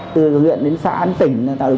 từ huyện đến phá án tỉnh